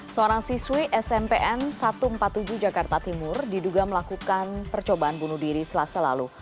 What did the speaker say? seorang siswi smpn satu ratus empat puluh tujuh jakarta timur diduga melakukan percobaan bunuh diri selasa lalu